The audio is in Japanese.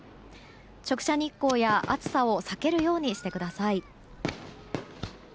直射日光や暑さを避けるようにしてください。